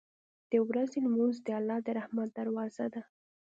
• د ورځې لمونځ د الله د رحمت دروازه ده.